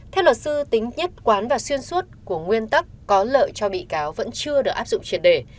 theo luật sư tính nhất quán và xuyên suốt của nguyên tắc có lợi cho bị cáo vẫn chưa được áp dụng triệt đề